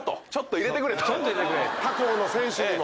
他校の選手にも。